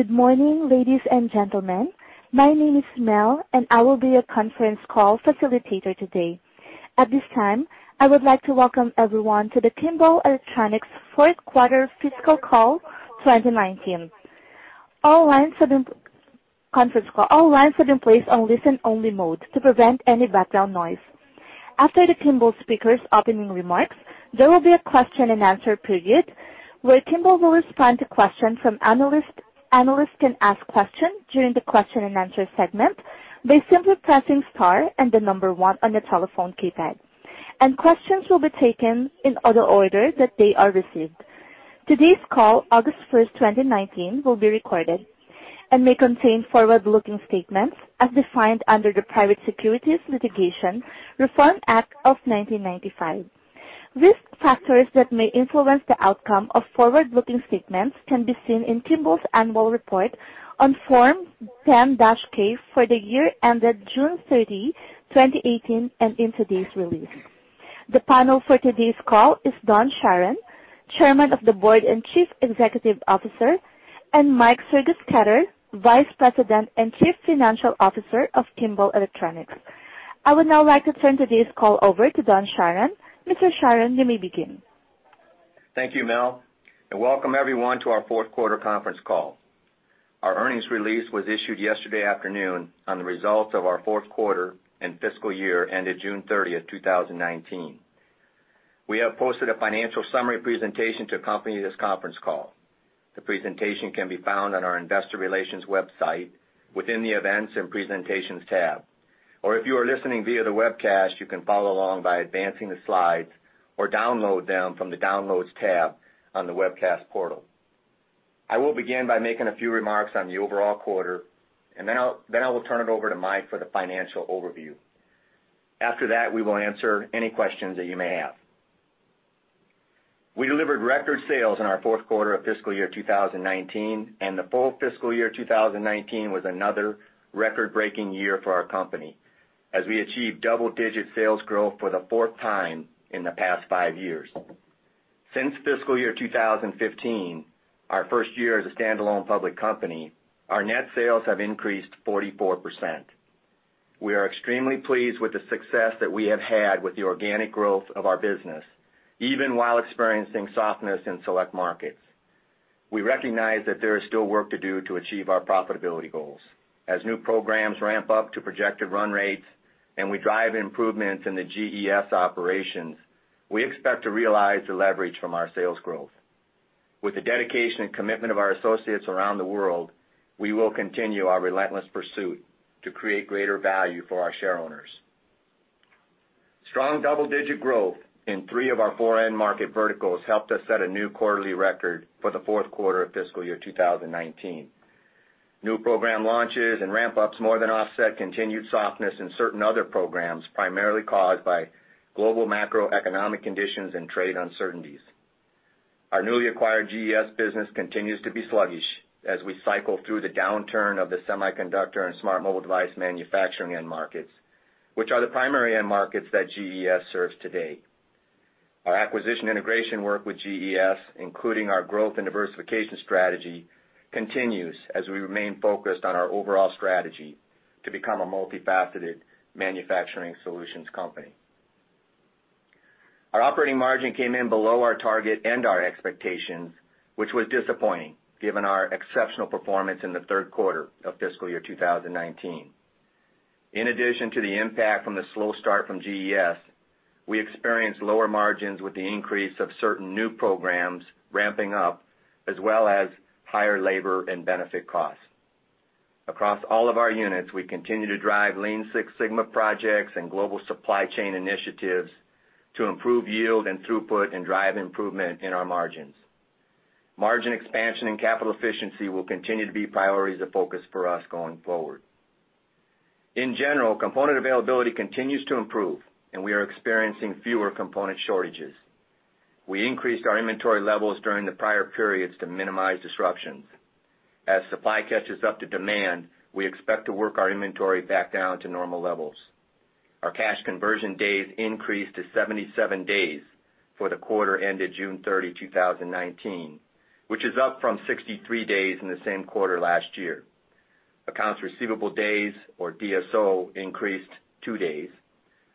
Good morning, ladies and gentlemen. My name is Mel, and I will be your conference call facilitator today. At this time, I would like to welcome everyone to the Kimball Electronics fourth quarter fiscal call 2019 conference call. All lines have been placed on listen-only mode to prevent any background noise. After the Kimball speakers' opening remarks, there will be a question and answer period where Kimball will respond to questions from analysts. Analysts can ask questions during the question and answer segment by simply pressing star and the number one on your telephone keypad, and questions will be taken in the order that they are received. Today's call, August 1st, 2019, will be recorded and may contain forward-looking statements as defined under the Private Securities Litigation Reform Act of 1995. Risk factors that may influence the outcome of forward-looking statements can be seen in Kimball's annual report on Form 10-K for the year ended June 30, 2018, and in today's release. The panel for today's call is Don Charron, Chairman of the Board and Chief Executive Officer, and Mike Sergesketter, Vice President and Chief Financial Officer of Kimball Electronics. I would now like to turn today's call over to Don Charron. Mr. Charron, you may begin. Thank you, Mel, and welcome everyone to our fourth quarter conference call. Our earnings release was issued yesterday afternoon on the results of our fourth quarter and fiscal year ended June 30th, 2019. We have posted a financial summary presentation to accompany this conference call. The presentation can be found on our investor relations website within the Events and Presentations tab. If you are listening via the webcast, you can follow along by advancing the slides or download them from the Downloads tab on the webcast portal. I will begin by making a few remarks on the overall quarter, and then I will turn it over to Mike for the financial overview. After that, we will answer any questions that you may have. We delivered record sales in our fourth quarter of fiscal year 2019, and the full fiscal year 2019 was another record-breaking year for our company, as we achieved double-digit sales growth for the fourth time in the past five years. Since fiscal year 2015, our first year as a standalone public company, our net sales have increased 44%. We are extremely pleased with the success that we have had with the organic growth of our business, even while experiencing softness in select markets. We recognize that there is still work to do to achieve our profitability goals. As new programs ramp up to projected run rates and we drive improvements in the GES operations, we expect to realize the leverage from our sales growth. With the dedication and commitment of our associates around the world, we will continue our relentless pursuit to create greater value for our shareowners. Strong double-digit growth in three of our four end market verticals helped us set a new quarterly record for the fourth quarter of fiscal year 2019. New program launches and ramp-ups more than offset continued softness in certain other programs, primarily caused by global macroeconomic conditions and trade uncertainties. Our newly acquired GES business continues to be sluggish as we cycle through the downturn of the semiconductor and smart mobile device manufacturing end markets, which are the primary end markets that GES serves today. Our acquisition integration work with GES, including our growth and diversification strategy, continues as we remain focused on our overall strategy to become a multifaceted manufacturing solutions company. Our operating margin came in below our target and our expectations, which was disappointing given our exceptional performance in the third quarter of fiscal year 2019. In addition to the impact from the slow start from GES, we experienced lower margins with the increase of certain new programs ramping up, as well as higher labor and benefit costs. Across all of our units, we continue to drive Lean Six Sigma projects and global supply chain initiatives to improve yield and throughput and drive improvement in our margins. Margin expansion and capital efficiency will continue to be priorities of focus for us going forward. In general, component availability continues to improve, and we are experiencing fewer component shortages. We increased our inventory levels during the prior periods to minimize disruptions. As supply catches up to demand, we expect to work our inventory back down to normal levels. Our cash conversion days increased to 77 days for the quarter ended June 30, 2019, which is up from 63 days in the same quarter last year. Accounts receivable days or DSO increased two days.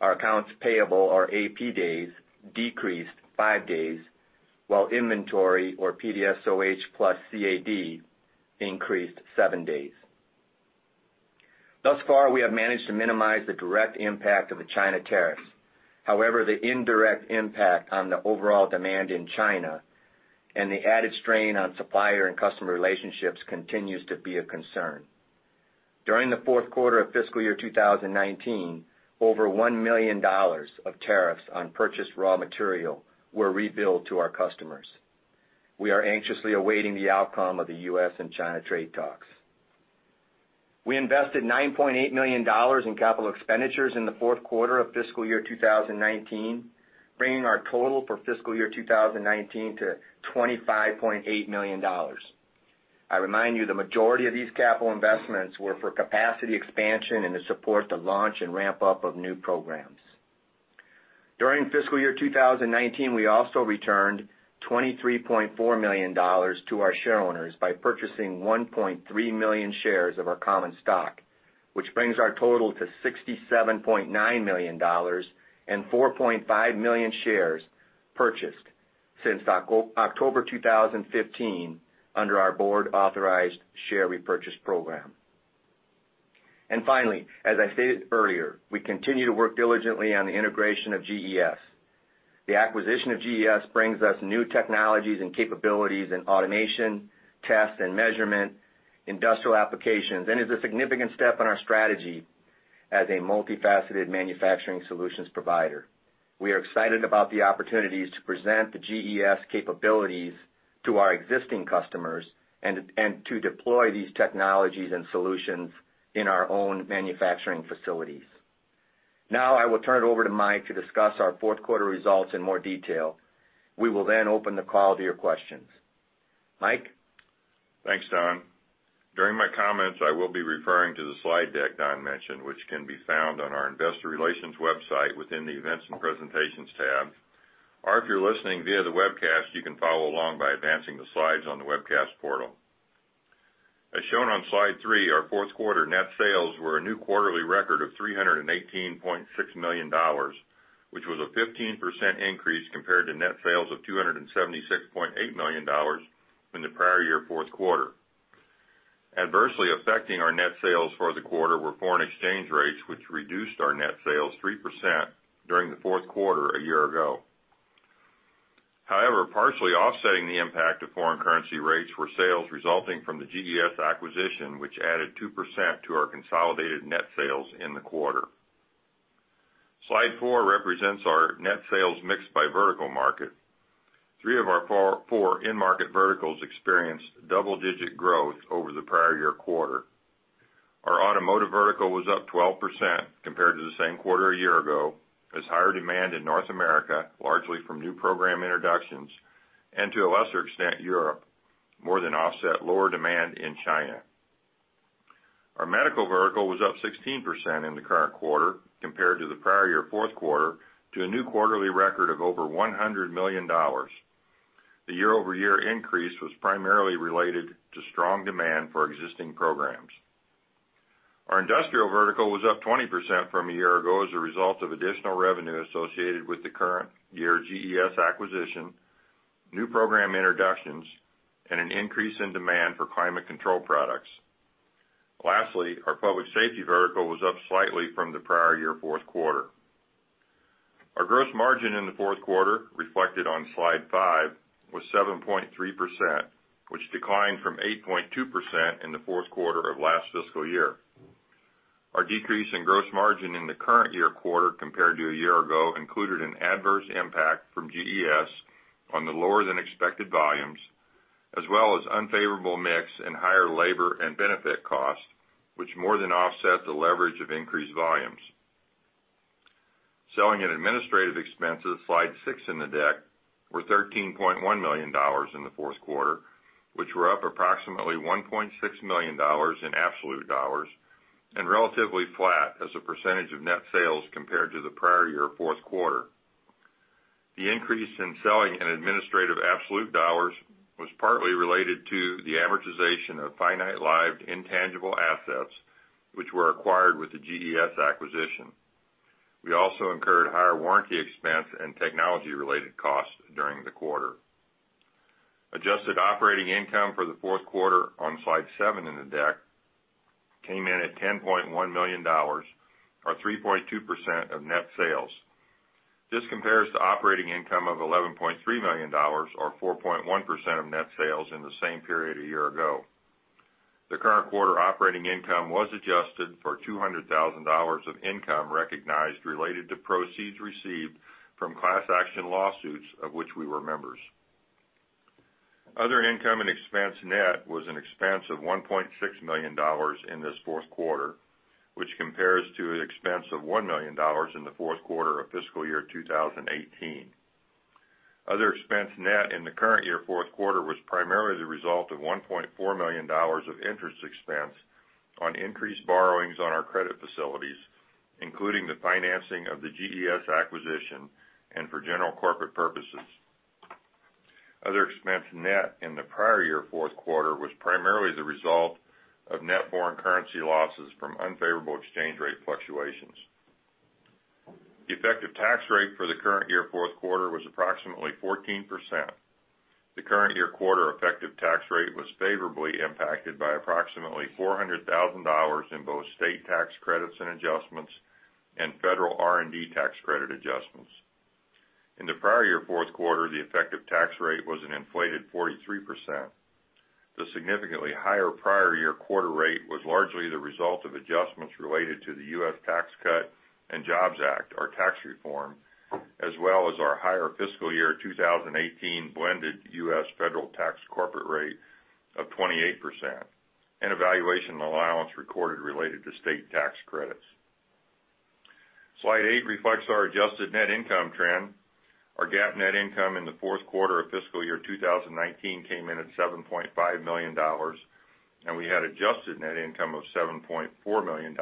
Our accounts payable or AP days decreased five days, while inventory or PDSOH plus CAD increased seven days. Thus far, we have managed to minimize the direct impact of the China tariffs. However, the indirect impact on the overall demand in China and the added strain on supplier and customer relationships continues to be a concern. During the fourth quarter of fiscal year 2019, over $1 million of tariffs on purchased raw material were rebilled to our customers. We are anxiously awaiting the outcome of the U.S. and China trade talks. We invested $9.8 million in capital expenditures in the fourth quarter of fiscal year 2019, bringing our total for fiscal year 2019 to $25.8 million. I remind you, the majority of these capital investments were for capacity expansion and to support the launch and ramp-up of new programs. During fiscal year 2019, we also returned $23.4 million to our shareowners by purchasing 1.3 million shares of our common stock, which brings our total to $67.9 million and 4.5 million shares purchased since October 2015 under our board-authorized share repurchase program. Finally, as I stated earlier, we continue to work diligently on the integration of GES. The acquisition of GES brings us new technologies and capabilities in automation, test and measurement, industrial applications, and is a significant step in our strategy as a multifaceted manufacturing solutions provider. We are excited about the opportunities to present the GES capabilities to our existing customers and to deploy these technologies and solutions in our own manufacturing facilities. I will turn it over to Mike to discuss our fourth quarter results in more detail. We will open the call to your questions. Mike? Thanks, Don. During my comments, I will be referring to the slide deck Don mentioned, which can be found on our investor relations website within the Events and Presentations tab. If you're listening via the webcast, you can follow along by advancing the slides on the webcast portal. As shown on Slide three, our fourth quarter net sales were a new quarterly record of $318.6 million, which was a 15% increase compared to net sales of $276.8 million in the prior year fourth quarter. Adversely affecting our net sales for the quarter were foreign exchange rates, which reduced our net sales 3% during the fourth quarter a year ago. Partially offsetting the impact of foreign currency rates were sales resulting from the GES acquisition, which added 2% to our consolidated net sales in the quarter. Slide four represents our net sales mix by vertical market. Three of our four end market verticals experienced double-digit growth over the prior year quarter. Our automotive vertical was up 12% compared to the same quarter a year ago, as higher demand in North America, largely from new program introductions, and to a lesser extent, Europe, more than offset lower demand in China. Our medical vertical was up 16% in the current quarter compared to the prior year fourth quarter, to a new quarterly record of over $100 million. The year-over-year increase was primarily related to strong demand for existing programs. Our industrial vertical was up 20% from a year ago as a result of additional revenue associated with the current year GES acquisition, new program introductions, and an increase in demand for climate control products. Lastly, our public safety vertical was up slightly from the prior year fourth quarter. Our gross margin in the fourth quarter, reflected on Slide five, was 7.3%, which declined from 8.2% in the fourth quarter of last fiscal year. Our decrease in gross margin in the current year quarter compared to a year ago included an adverse impact from GES on the lower-than-expected volumes, as well as unfavorable mix and higher labor and benefit costs, which more than offset the leverage of increased volumes. Selling and administrative expenses, Slide six in the deck, were $13.1 million in the fourth quarter, which were up approximately $1.6 million in absolute dollars and relatively flat as a percentage of net sales compared to the prior year fourth quarter. The increase in selling and administrative absolute dollars was partly related to the amortization of finite-lived intangible assets, which were acquired with the GES acquisition. We also incurred higher warranty expense and technology-related costs during the quarter. Adjusted operating income for the fourth quarter, on Slide 7 in the deck, came in at $10.1 million, or 3.2% of net sales. This compares to operating income of $11.3 million, or 4.1% of net sales in the same period a year ago. The current quarter operating income was adjusted for $200,000 of income recognized related to proceeds received from class action lawsuits of which we were members. Other income and expense net was an expense of $1.6 million in this fourth quarter, which compares to an expense of $1 million in the fourth quarter of fiscal year 2018. Other expense net in the current year fourth quarter was primarily the result of $1.4 million of interest expense on increased borrowings on our credit facilities, including the financing of the GES acquisition and for general corporate purposes. Other expense net in the prior year fourth quarter was primarily the result of net foreign currency losses from unfavorable exchange rate fluctuations. The effective tax rate for the current year fourth quarter was approximately 14%. The current year quarter effective tax rate was favorably impacted by approximately $400,000 in both state tax credits and adjustments and federal R&D tax credit adjustments. In the prior year fourth quarter, the effective tax rate was an inflated 43%. The significantly higher prior year quarter rate was largely the result of adjustments related to the U.S. Tax Cuts and Jobs Act, our tax reform, as well as our higher fiscal year 2018 blended U.S. federal tax corporate rate of 28% and a valuation allowance recorded related to state tax credits. Slide 8 reflects our adjusted net income trend. Our GAAP net income in the fourth quarter of fiscal year 2019 came in at $7.5 million, and we had adjusted net income of $7.4 million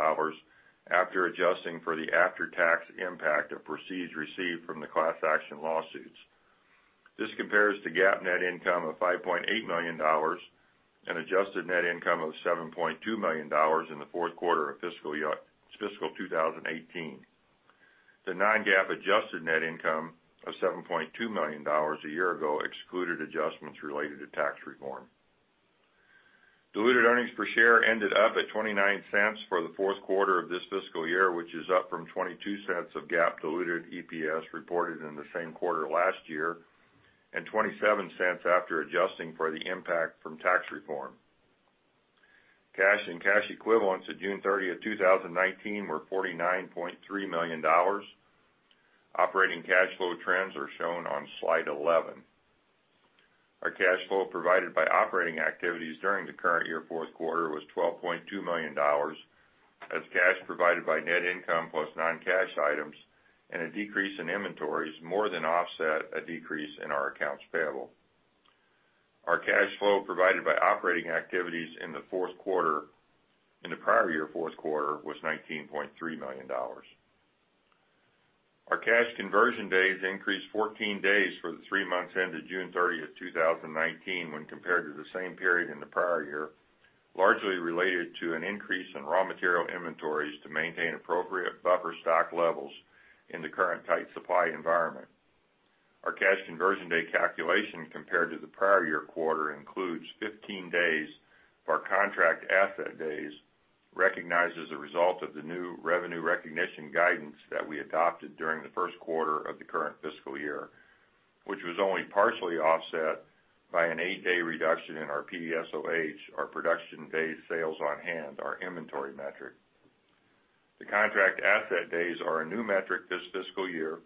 after adjusting for the after-tax impact of proceeds received from the class action lawsuits. This compares to GAAP net income of $5.8 million and adjusted net income of $7.2 million in the fourth quarter of fiscal 2018. The non-GAAP adjusted net income of $7.2 million a year ago excluded adjustments related to tax reform. Diluted earnings per share ended up at $0.29 for the fourth quarter of this fiscal year, which is up from $0.22 of GAAP diluted EPS reported in the same quarter last year, and $0.27 after adjusting for the impact from tax reform. Cash and cash equivalents at June 30, 2019 were $49.3 million. Operating cash flow trends are shown on slide 11. Our cash flow provided by operating activities during the current year fourth quarter was $12.2 million, as cash provided by net income plus non-cash items and a decrease in inventories more than offset a decrease in our accounts payable. Our cash flow provided by operating activities in the prior year fourth quarter was $19.3 million. Our cash conversion days increased 14 days for the three months ended June 30th, 2019 when compared to the same period in the prior year, largely related to an increase in raw material inventories to maintain appropriate buffer stock levels in the current tight supply environment. Our cash conversion day calculation compared to the prior year quarter includes 15 days of our contract asset days, recognized as a result of the new revenue recognition guidance that we adopted during the first quarter of the current fiscal year. Which was only partially offset by an eight-day reduction in our PDSoH, our Production Days Sales on Hand, our inventory metric. The contract asset days are a new metric this fiscal year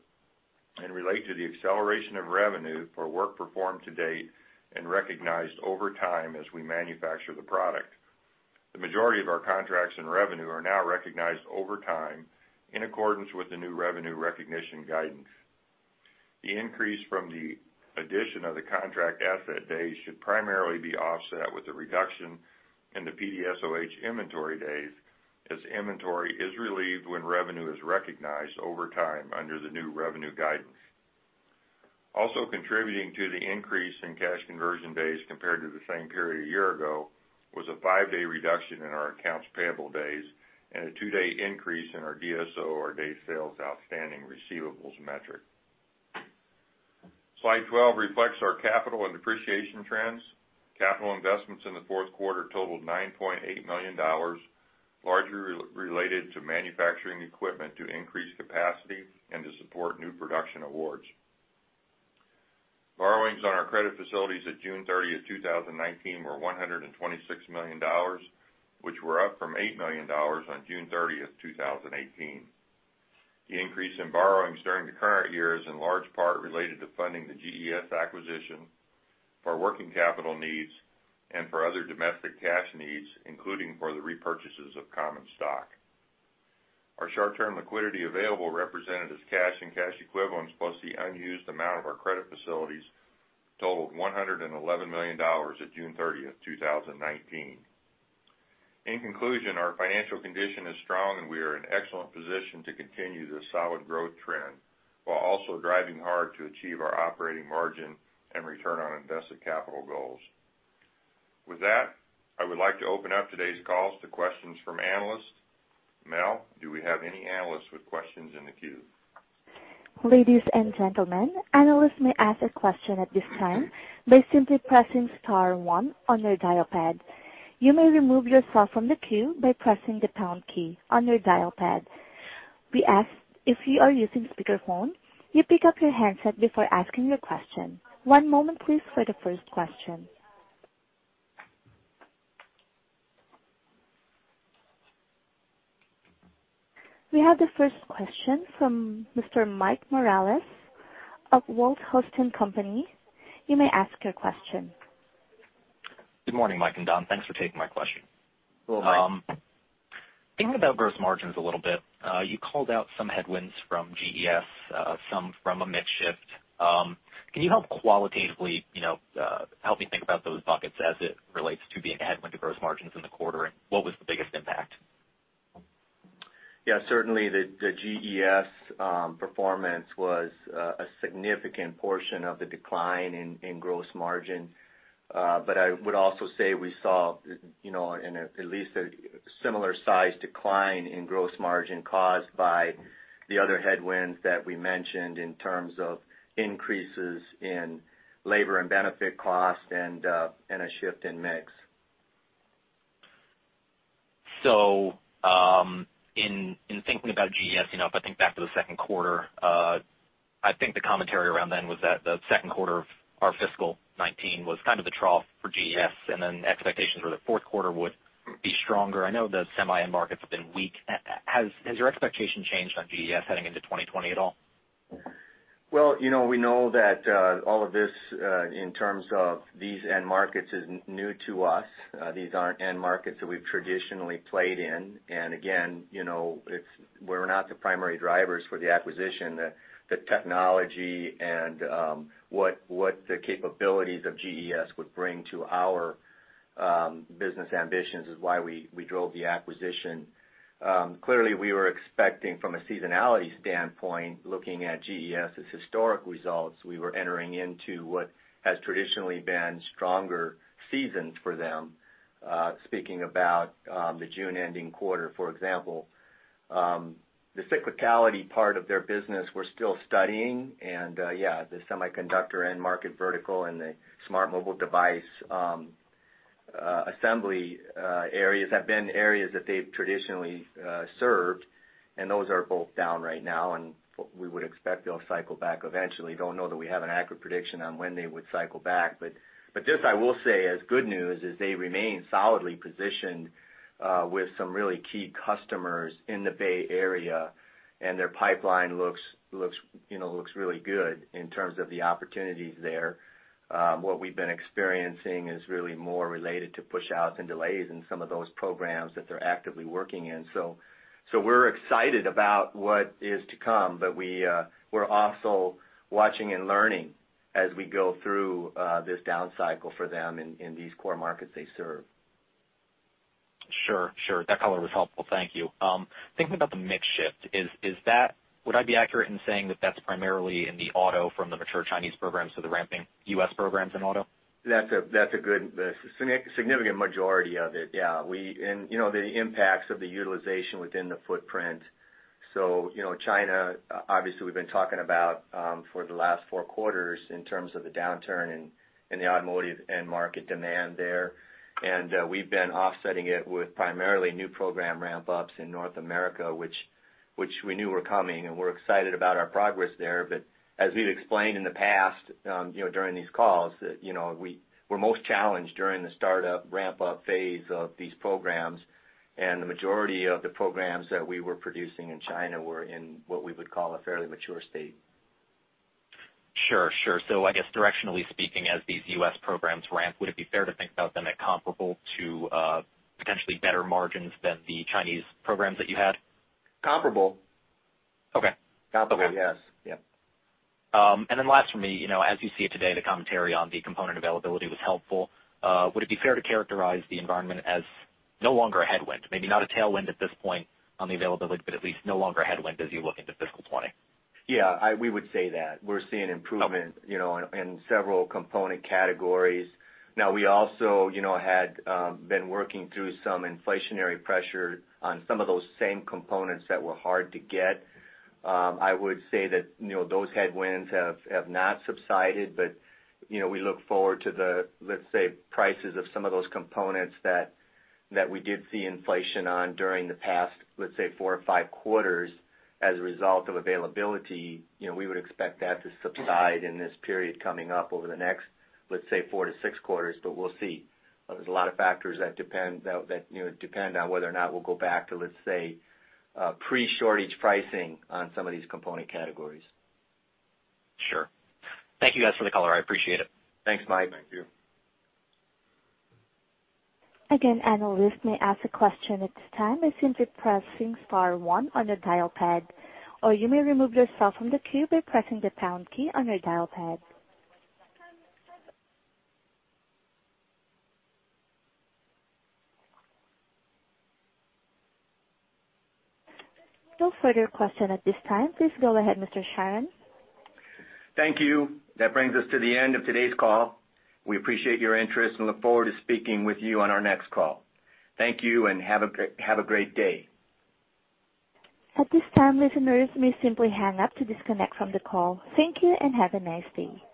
and relate to the acceleration of revenue for work performed to date and recognized over time as we manufacture the product. The majority of our contracts and revenue are now recognized over time in accordance with the new revenue recognition guidance. The increase from the addition of the contract asset days should primarily be offset with a reduction in the PDSoH inventory days, as inventory is relieved when revenue is recognized over time under the new revenue guidance. Also contributing to the increase in cash conversion days compared to the same period a year ago was a five-day reduction in our accounts payable days and a two-day increase in our DSO, our day sales outstanding receivables metric. Slide 12 reflects our capital and depreciation trends. Capital investments in the fourth quarter totaled $9.8 million, largely related to manufacturing equipment to increase capacity and to support new production awards. Borrowings on our credit facilities at June 30th, 2019 were $126 million, which were up from $8 million on June 30th, 2018. The increase in borrowings during the current year is in large part related to funding the GES acquisition for working capital needs and for other domestic cash needs, including for the repurchases of common stock. Our short-term liquidity available, represented as cash and cash equivalents plus the unused amount of our credit facilities, totaled $111 million at June 30th, 2019. In conclusion, our financial condition is strong, and we are in excellent position to continue this solid growth trend while also driving hard to achieve our operating margin and return on invested capital goals. With that, I would like to open up today's calls to questions from analysts. Mel, do we have any analysts with questions in the queue? Ladies and gentlemen, analysts may ask a question at this time by simply pressing star one on their dial pad. You may remove yourself from the queue by pressing the pound key on your dial pad. We ask if you are using speakerphone, you pick up your handset before asking your question. One moment please for the first question. We have the first question from Mr. Mike Morales of Walthausen Company. You may ask your question. Good morning, Mike and Don. Thanks for taking my question. Hello, Mike. Thinking about gross margins a little bit, you called out some headwinds from GES, some from a mix shift. Can you help qualitatively, help me think about those buckets as it relates to being a headwind to gross margins in the quarter, and what was the biggest impact? Yeah. Certainly the GES performance was a significant portion of the decline in gross margin. I would also say we saw at least a similar size decline in gross margin caused by the other headwinds that we mentioned in terms of increases in labor and benefit cost and a shift in mix. In thinking about GES, if I think back to the second quarter, I think the commentary around then was that the second quarter of our fiscal 2019 was kind of the trough for GES, and then expectations were the fourth quarter would be stronger. I know the semi end markets have been weak. Has your expectation changed on GES heading into 2020 at all? Well, we know that all of this, in terms of these end markets, is new to us. These aren't end markets that we've traditionally played in, and again, it's. We're not the primary drivers for the acquisition. The technology and what the capabilities of GES would bring to our business ambitions is why we drove the acquisition. Clearly, we were expecting from a seasonality standpoint, looking at GES's historic results, we were entering into what has traditionally been stronger seasons for them, speaking about the June-ending quarter, for example. The cyclicality part of their business, we're still studying. The semiconductor end market vertical and the smart mobile device assembly areas have been areas that they've traditionally served, and those are both down right now, and we would expect they'll cycle back eventually. Don't know that we have an accurate prediction on when they would cycle back. This I will say as good news, is they remain solidly positioned with some really key customers in the Bay Area, and their pipeline looks really good in terms of the opportunities there. What we've been experiencing is really more related to push outs and delays in some of those programs that they're actively working in. We're excited about what is to come, but we're also watching and learning as we go through this down cycle for them in these core markets they serve. Sure. That color was helpful. Thank you. Thinking about the mix shift, would I be accurate in saying that that's primarily in the auto from the mature Chinese programs to the ramping U.S. programs in auto? That's the significant majority of it, yeah. The impacts of the utilization within the footprint. China, obviously we've been talking about for the last four quarters in terms of the downturn in the automotive end market demand there. We've been offsetting it with primarily new program ramp-ups in North America, which we knew were coming, and we're excited about our progress there. As we've explained in the past during these calls, that we're most challenged during the startup ramp-up phase of these programs, and the majority of the programs that we were producing in China were in what we would call a fairly mature state. Sure. I guess directionally speaking, as these U.S. programs ramp, would it be fair to think about them at comparable to potentially better margins than the Chinese programs that you had? Comparable. Okay. Comparable. Yes. Last for me, as you see it today, the commentary on the component availability was helpful. Would it be fair to characterize the environment as no longer a headwind, maybe not a tailwind at this point on the availability, but at least no longer a headwind as you look into fiscal 2020? Yeah, we would say that. We're seeing improvement in several component categories. Now we also had been working through some inflationary pressure on some of those same components that were hard to get. I would say that those headwinds have not subsided, but we look forward to the, let's say, prices of some of those components that we did see inflation on during the past, let's say, four or five quarters as a result of availability. We would expect that to subside in this period coming up over the next, let's say, four to six quarters, but we'll see. There's a lot of factors that depend on whether or not we'll go back to, let's say, pre-shortage pricing on some of these component categories. Sure. Thank you guys for the color. I appreciate it. Thanks, Mike. Thank you. Again, analyst may ask a question at this time by simply pressing star one on the dial pad, or you may remove yourself from the queue by pressing the pound key on your dial pad. No further question at this time. Please go ahead, Mr. Charron. Thank you. That brings us to the end of today's call. We appreciate your interest and look forward to speaking with you on our next call. Thank you and have a great day. At this time, listeners may simply hang up to disconnect from the call. Thank you and have a nice day.